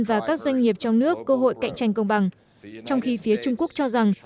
và các doanh nghiệp trong nước cơ hội cạnh tranh công bằng trong khi phía trung quốc cho rằng